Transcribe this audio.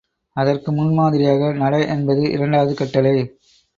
அதற்கு முன் மாதிரியாக நட என்பது இரண்டாவது கட்டளை.